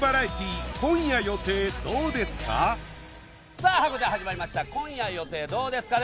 さあハコちゃん始まりました「今夜予定どうですか？」